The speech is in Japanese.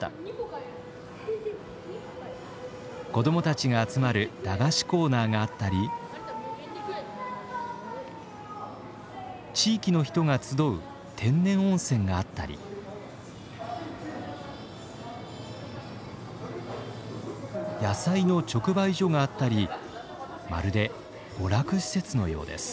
子どもたちが集まる駄菓子コーナーがあったり地域の人が集う天然温泉があったり野菜の直売所があったりまるで娯楽施設のようです。